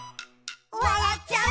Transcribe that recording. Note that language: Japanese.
「わらっちゃう」